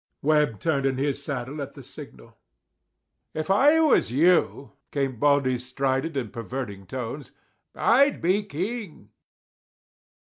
Webb turned in his saddle at the signal. "If I was you," came Baldy's strident and perverting tones, "I'd be king!"